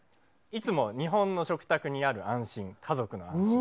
「いつも、日本の食卓にある安心家族の安心。」。